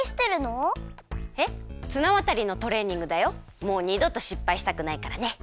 もうにどとしっぱいしたくないからね。